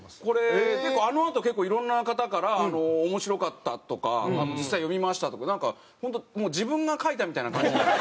これあのあと結構いろんな方から「面白かった」とか「実際読みました」とかなんか本当自分が描いたみたいな感じに。